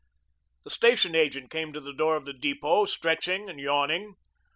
The station agent came to the door of the depot, stretching and yawning.